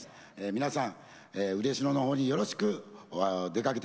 皆さん嬉野の方によろしく出かけて下さい。